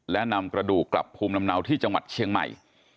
และนำกระดูกกลับภูมิลำเนาที่จังหวัดเชียงใหม่